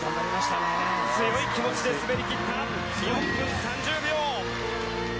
強い気持ちで滑りきった４分３０秒。